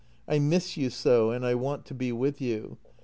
I miss you so, and I want to be with you.